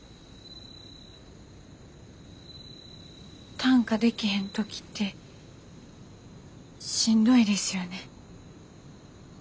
短歌できへん時ってしんどいですよね。